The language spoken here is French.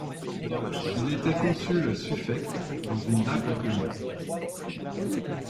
Il était consul suffect dans une date inconnue.